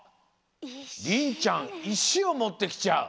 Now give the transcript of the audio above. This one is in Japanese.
りんちゃん石を持ってきちゃう。